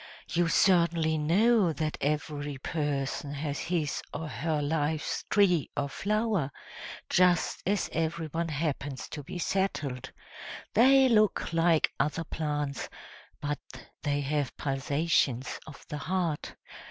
You certainly know that every person has his or her life's tree or flower, just as everyone happens to be settled; they look like other plants, but they have pulsations of the heart.